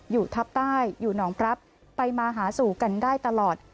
อยู่ทับใต้อยู่หนองปรับไปมาหาสู่กันได้ตลอด